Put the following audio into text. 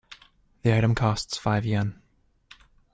The item costs five Yen.